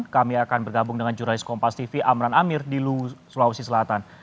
kami akan bergabung dengan jurnalis kompas tv amran amir di sulawesi selatan